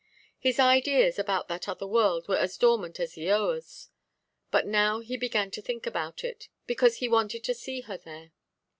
His ideas about that other world were as dormant as Eoaʼs; but now he began to think about it, because he wanted to see her there.